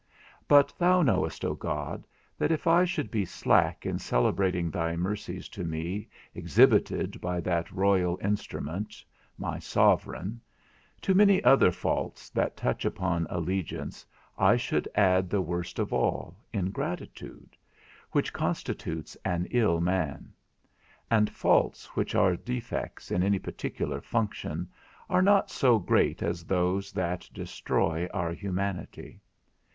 But thou knowest, O God, that if I should be slack in celebrating thy mercies to me exhibited by that royal instrument, my sovereign, to many other faults that touch upon allegiance I should add the worst of all, ingratitude, which constitutes an ill man; and faults which are defects in any particular function are not so great as those that destroy our humanity.